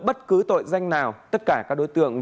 bất cứ tội danh nào tất cả các đối tượng